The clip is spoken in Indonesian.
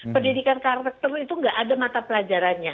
pendidikan karakter itu tidak ada mata pelajaran